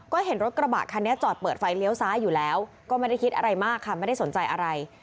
ก็เห็นรถกระบะคันนี้จอดเปิดไฟเลี้ยวซ้ายอยู่แล้วก็ไม่ได้คิดอะไรมากค่ะไม่ได้สนใจอะไร